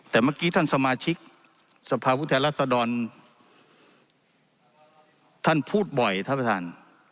แต่เมื่อกี้ท่านสมาชิกสภาพุทธแทนรัศดรท่านพูดบ่อยท่านประธาน